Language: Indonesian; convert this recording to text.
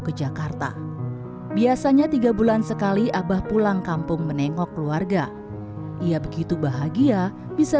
ke jakarta biasanya tiga bulan sekali abah pulang kampung menengok keluarga ia begitu bahagia bisa